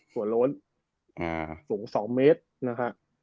หัวโล้นสูง๒เมตรนะครับ